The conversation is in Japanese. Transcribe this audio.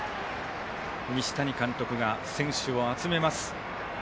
西谷監督が選手を集めます。